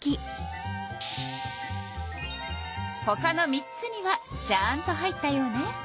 ほかの３つにはちゃんと入ったようね。